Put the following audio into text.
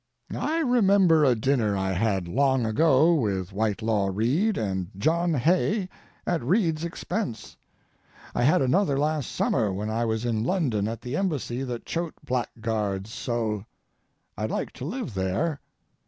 I remember a dinner I had long ago with Whitelaw Reid and John Hay at Reid's expense. I had another last summer when I was in London at the embassy that Choate blackguards so. I'd like to live there.